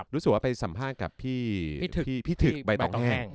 รู้สึกว่าไปสัมภาษณ์กับพี่ถึกใบตองแห้ง